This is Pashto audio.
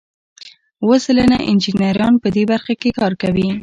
اوه سلنه انجینران په دې برخه کې کار کوي.